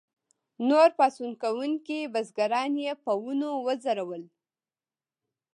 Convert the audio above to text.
نور پاڅون کوونکي بزګران یې په ونو وځړول.